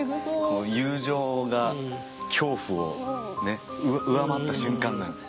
こう友情が恐怖をねっ上回った瞬間なんで。